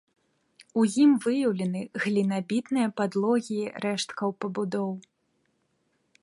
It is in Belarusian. У ім выяўлены глінабітныя падлогі рэшткаў пабудоў.